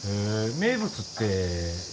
名物って。